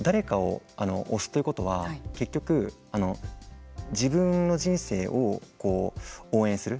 あとはもう一つ誰かを推すということは結局、自分の人生を応援する。